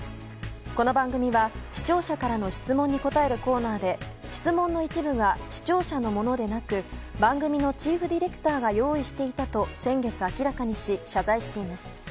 この番組は視聴者からの質問に答えるコーナーで質問の一部が視聴者のものでなく番組のチーフディレクターが用意していたと先月明らかにし謝罪しています。